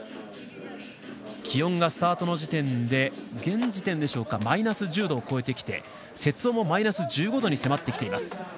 気温がスタートの時点で現時点でマイナス１０度を超えていて雪温もマイナス１５度に迫ってきています。